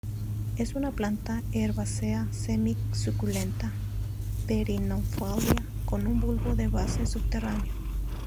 Es una planta herbácea semi-suculenta, perennifolia con un bulbo de base subterráneo.